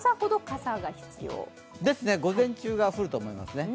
午前中が降ると思いますね。